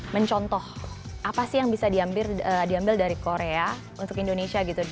mencontoh apa sih yang bisa diambil dari korea untuk indonesia gitu